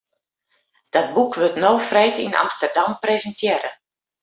Dat boek wurdt no freed yn Amsterdam presintearre.